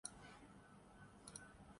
street lights خوا